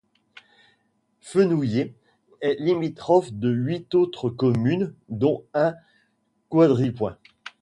Fenouillet est limitrophe de huit autres communes dont un quadripoint.